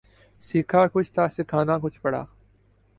سیکھا کچھ تھا سکھانا کچھ پڑا